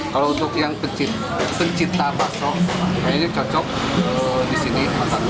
kalau untuk yang pencinta bakso kayaknya cocok disini